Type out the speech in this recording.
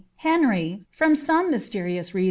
Henry, from some niysteriom mMa.